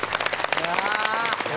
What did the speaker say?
いや！